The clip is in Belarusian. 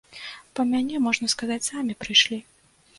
Па мяне, можна сказаць, самі прыйшлі.